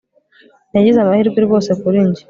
nagize amahirwe rwose kuri njye